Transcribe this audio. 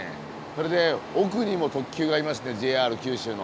それで奥にも特急がいますねＪＲ九州の。